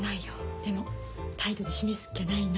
でも態度で示すっきゃないの。